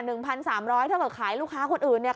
หนึ่งพันสามร้อยถ้าเกิดขายลูกค้าคนอื่นเนี่ย